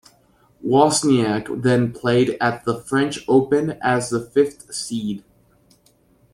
Wozniacki then played at the French Open as the fifth seed.